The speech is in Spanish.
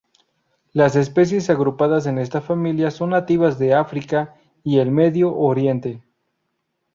Las especies agrupadas en esta familia son nativas de África y el Medio Oriente.